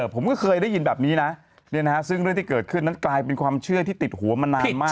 ผมก็เคยได้ยินแบบนี้นะซึ่งเรื่องที่เกิดขึ้นนั้นกลายเป็นความเชื่อที่ติดหัวมานานมาก